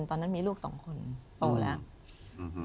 ตอนนั้นมีลูกสองคนโตแล้ว